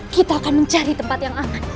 kita akan mencari tempat yang aman